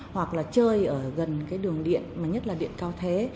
hoặc là chơi ở gần cái đường điện mà nhất là điện cao thế